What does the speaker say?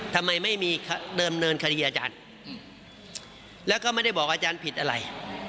ทำไมไม่มีเดิมเนินคดีอาจารย์แล้วก็ไม่ได้บอกอาจารย์ผิดอะไร